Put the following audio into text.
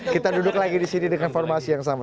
kita duduk lagi disini dengan informasi yang sama